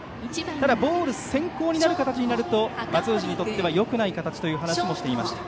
ただボール先行になる形になると松藤にとってはよくない形という話もしていました。